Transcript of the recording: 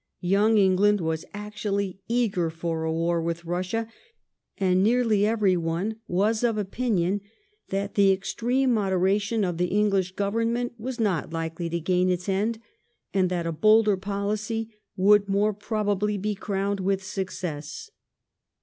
Young England was actually eager for a war with Bassia ; and nearly everyone was of opinion that the extreme moderation of tbe English Government was not likely to gain its end, and that a bolder policy would more probably be crowned with success.